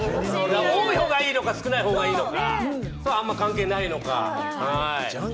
多い方がいいのか少ない方がいいのかあんまり関係ないのか。